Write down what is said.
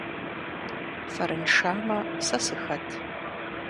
Фэрыншамэ, сэ сыхэт?